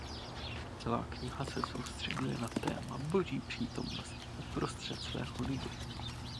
Celá kniha se soustřeďuje na téma Boží přítomnosti uprostřed svého lidu.